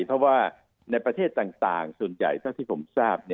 เพราะว่าในประเทศต่างส่วนใหญ่เท่าที่ผมทราบ